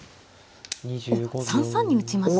おっ３三に打ちました。